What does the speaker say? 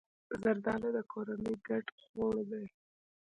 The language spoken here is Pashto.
زردالو د کورنۍ ګډ خوړ دی.